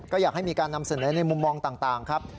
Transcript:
ก็อยากให้มีการนำเสนอในมุมมองต่างครับ